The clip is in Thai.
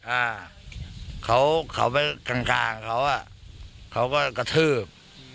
อ่ะเขาเข้าไปกลางเขาก็กระทืบ